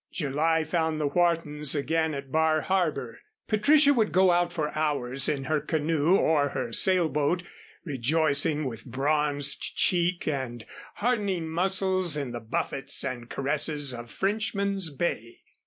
July found the Whartons again at Bar Harbor. Patricia would go out for hours in her canoe or her sailboat, rejoicing with bronzed cheek and hardening muscles in the buffets and caresses of Frenchman's Bay.